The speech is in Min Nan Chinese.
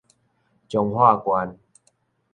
彰化縣